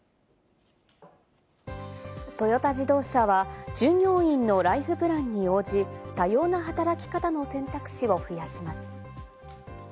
トヨタ自動車は従業員のライフプランに応じ、多様な働き方の選択肢を増やします。